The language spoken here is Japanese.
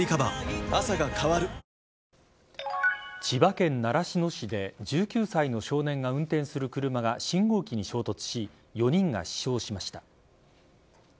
千葉県習志野市で１９歳の少年が運転する車が信号機に衝突し４人が死傷しました。